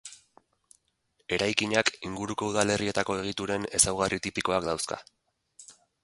Eraikinak inguruko udalerrietako egituren ezaugarri tipikoak dauzka.